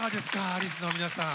アリスの皆さん。